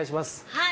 はい。